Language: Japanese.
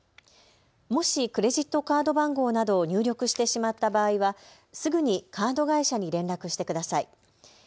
もしクレジットカード番号などを入力してしまった場合はすぐにカード会社に連絡してください。